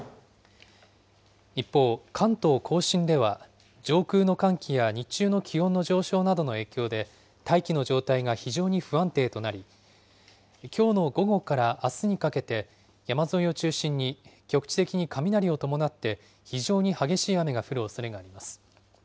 一方、関東甲信では、上空の寒気や日中の気温の上昇などの影響で、大気の状態が非常に不安定となり、きょうの午後からあすにかけて、山沿いを中心に局地的に雷を伴って、非常に激しい雨が降るおそれがあります。